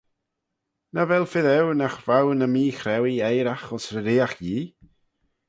Nagh vel fys eu nagh vow ny meechrauee eiraght ayns reeriaght Yee?